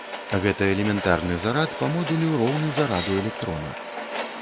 Гэта элементарны зарад, па модулю роўны зараду электрона.